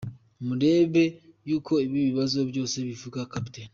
Mbere y’uko ibi bibazo byose bivuka, Capt.